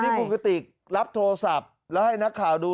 คุณกติกรับโทรศัพท์แล้วให้นักข่าวดู